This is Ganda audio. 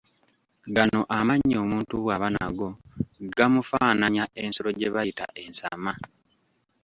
Gano amannyo omuntu bw’aba nago gamufaananya ensolo gye bayita ensama